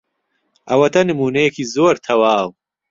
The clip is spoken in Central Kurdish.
ئەوەتە نموونەیەکی زۆر تەواو.